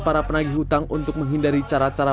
para penagih hutang untuk menghindari cara cara